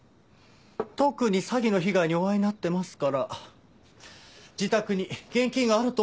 特に詐欺の被害にお遭いになってますから自宅に現金があると思われているのかもしれません。